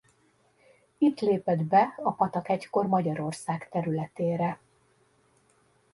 Itt lépett be a patak egykor Magyarország területére.